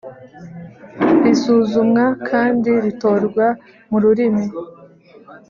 risuzumwa kandi ritorwa mu rurimi